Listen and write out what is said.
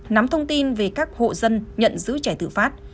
nắm thông tin về các hộ dân nhận giữ trẻ tự phát